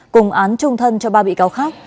cùng án trung thân cho ba bị cáo khác